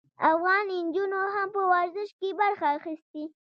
افغان نجونو هم په ورزش کې برخه اخیستې.